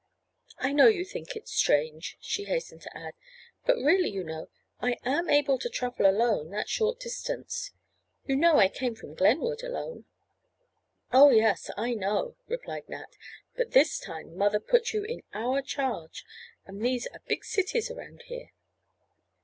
"I know you think it strange," she hastened to add, "but really you know, I am able to travel alone that short distance. You know I came from Glenwood alone." "Oh, yes, I know," replied Nat, "but this time mother put you in our charge and these are big cities around here."